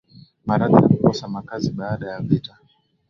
maradhi na kukosa makazi baada ya vita